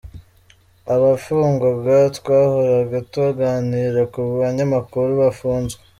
Abafungwaga : Twahoraga tuganira ku banyamakuru bafunzwe.